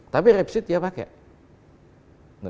tapi repsyet ya pakai